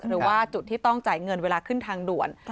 หรือว่าจุดที่ต้องจ่ายเงินเวลาขึ้นทางด่วน